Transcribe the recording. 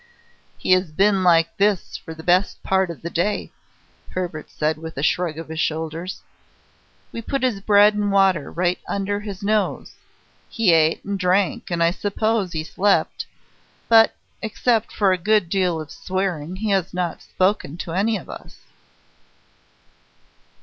"He has been like this the best part of the day," Hebert said with a shrug of the shoulders. "We put his bread and water right under his nose. He ate and he drank, and I suppose he slept. But except for a good deal of swearing, he has not spoken to any of us."